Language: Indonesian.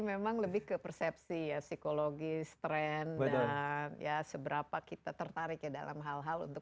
memang lebih ke persepsi ya psikologis tren dan ya seberapa kita tertarik ya dalam hal hal untuk